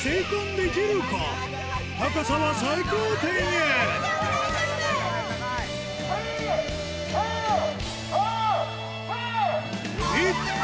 高さは最高点へ行った！